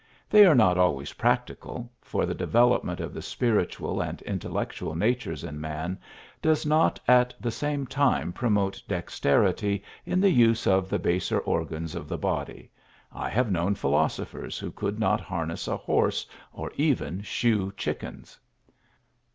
They are not always practical, for the development of the spiritual and intellectual natures in man does not at the same time promote dexterity in the use of the baser organs of the body, I have known philosophers who could not harness a horse or even shoo chickens.